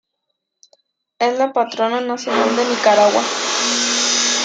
Es la Patrona Nacional de Nicaragua.